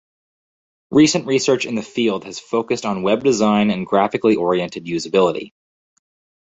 Recent research in the field has focused on web design and graphically-oriented usability.